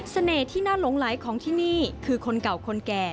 ที่น่าหลงไหลของที่นี่คือคนเก่าคนแก่